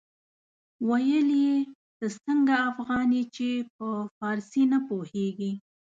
ويل يې ته څنګه افغان يې چې په فارسي نه پوهېږې.